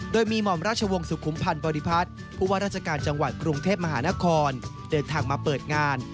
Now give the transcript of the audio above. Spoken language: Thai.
โดยมีหม่อมราชวงศ์สุขุมพันธ์บริพัฒน์ผู้ว่าราชการจังหวัดกรุงเทพมหานครเดินทางมาเปิดงาน